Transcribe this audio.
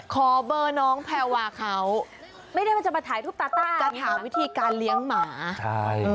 ขอเบอร์น้องแพรวาเขาไม่ได้ว่าจะมาถ่ายรูปตาต้าจะหาวิธีการเลี้ยงหมาใช่